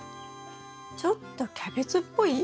ちょっとキャベツっぽい？